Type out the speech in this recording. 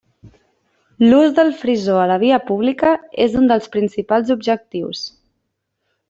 L’ús del frisó a la via pública és un dels principals objectius.